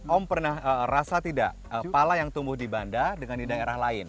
om pernah rasa tidak pala yang tumbuh di banda dengan di daerah lain